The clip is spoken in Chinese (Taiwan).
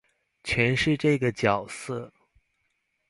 詮釋這個角色